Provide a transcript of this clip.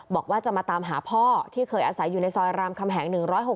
บอกว่าจะมาตามหาพ่อที่เคยอาศัยอยู่ในซอยรามคำแหง๑๖๐